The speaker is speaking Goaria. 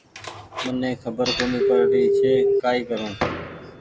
مني کبر ڪونيٚ پڙ ري ڇي ڪآئي ڪرون